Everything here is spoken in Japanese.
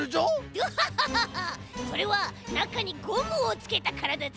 グハハハそれはなかにゴムをつけたからだぜ。